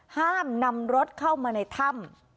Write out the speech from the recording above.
ห้ามนำรถเข้ามาในถ้ำ